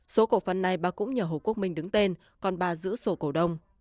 số cổ phần này bà cũng nhờ hồ quốc minh đứng tên còn bà giữ sổ cổ đông